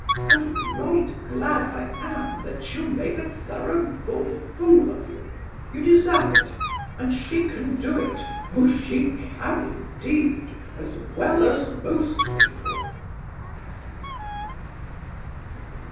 And right glad I am that she'll make a thorough good fool of you. You deserve it; and she can do it—oh! she can, indeed!—as well as most people."